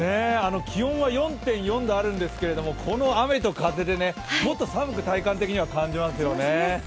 気温は４．４度あるんですけどこの雨と風でもっと寒く体感的には感じますよね。